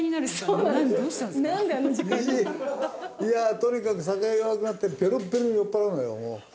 いやとにかく酒が弱くなってベロベロに酔っ払うのよ